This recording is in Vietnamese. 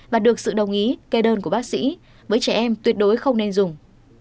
và được sự đồng ý kê đơn của bác sĩ với trẻ em tuyệt đối không nên dùng